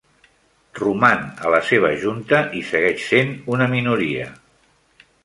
Roman a la seva junta i segueix sent una minoria.